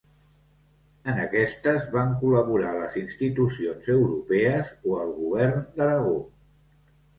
En aquestes van col·laborar les institucions europees o el Govern d'Aragó.